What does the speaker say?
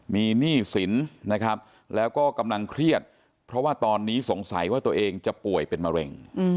มีหนี้สินนะครับแล้วก็กำลังเครียดเพราะว่าตอนนี้สงสัยว่าตัวเองจะป่วยเป็นมะเร็ง